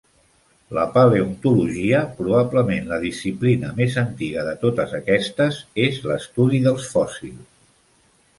La paleontologia, probablement la disciplina més antiga de totes aquestes, és l'estudi dels fòssils.